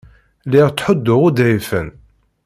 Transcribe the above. Lliɣ ttḥudduɣ uḍɛifen.